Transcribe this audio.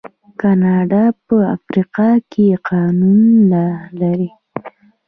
کاناډا په افریقا کې کانونه لري.